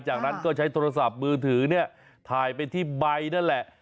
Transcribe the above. จากนั้นก็ใช้โทรศัพท์มือถือเนี่ยถ่ายไปที่ใบนั่นแหละ